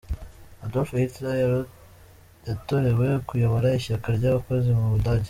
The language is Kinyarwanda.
Adolf Hitler yatorewe kuyobora ishyaka ry’abakozi mu Budage.